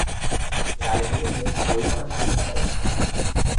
লাইব্রেরীতে বই পড়ার সুবিধা রয়েছে।